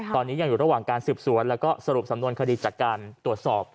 ตอนนี้ยังอยู่ระหว่างการสืบสวนแล้วก็สรุปสำนวนคดีจากการตรวจสอบ